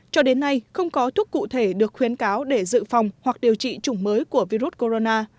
cho đến nay không có thuốc cụ thể được khuyến cáo để dự phòng hoặc điều trị chủng mới của virus corona